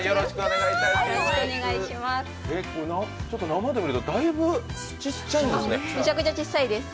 生で見るとだいぶちっちゃいんですね。